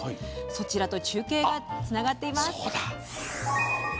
そちらと中継がつながっています。